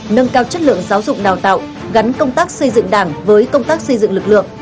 nâng cao chất lượng giáo dục đào tạo gắn công tác xây dựng đảng với công tác xây dựng lực lượng